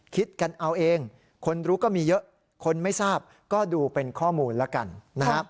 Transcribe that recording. คิดกันเอาเองคนรู้ก็มีเยอะคนไม่ทราบก็ดูเป็นข้อมูลแล้วกันนะฮะ